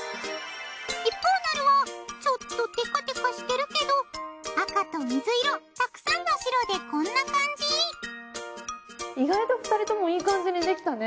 一方なるはちょっとテカテカしてるけどあかとみずいろたくさんのしろでこんな感じ意外と２人ともいい感じにできたね。